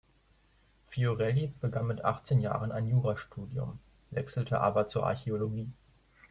Fiorelli begann mit achtzehn Jahren ein Jurastudium, wechselte aber zur Archäologie.